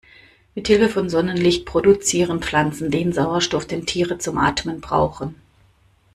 Mithilfe von Sonnenlicht produzieren Pflanzen den Sauerstoff, den Tiere zum Atmen brauchen.